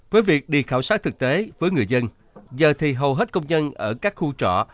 với việc đi khảo sát thực tế với người dân giờ thì hầu hết công nhân ở các khu trọ